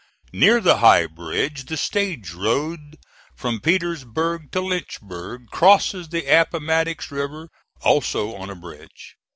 Near the High Bridge the stage road from Petersburg to Lynchburg crosses the Appomattox River, also on a bridge.